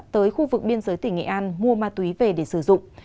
tới khu vực biên giới tỉnh nghệ an mua ma túy về để sử dụng